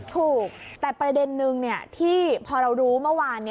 ถูกแต่ประเด็นนึงที่พอเรารู้เมื่อวาน